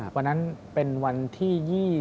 วันนั้นเป็นวันที่๒๐